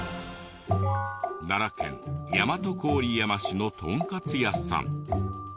奈良県大和郡山市のとんかつ屋さん。